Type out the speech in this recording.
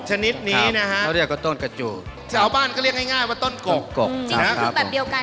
ชนิดนี้นะครับ